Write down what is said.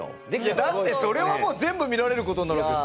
だってそれはもう全部見られることになるわけですから。